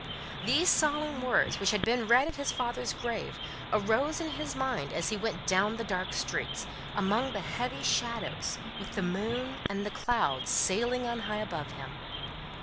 These solemn words, which had been read at his father's grave, arose in his mind as he went down the dark streets, among the heavy shadows, with the moon and the clouds sailing on high above him.